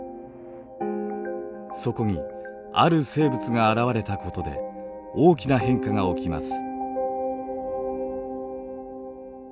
そこにある生物が現れたことで大きな変化が起きます。